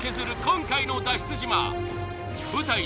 今回の脱出